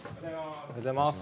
おはようございます。